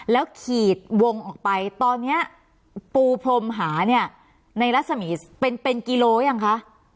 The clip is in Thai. แล้วขีดวงออกไปตอนนี้ปูพรมหาเนี่ยในรัศมีเป็นกิโลหรือยังคะ